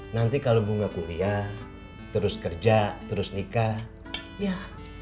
nanti kalau bunga kuliah terus kerja terus nikah ya